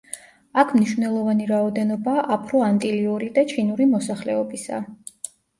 აქ მნიშვნელოვანი რაოდენობაა აფრო-ანტილიური და ჩინური მოსახლეობისა.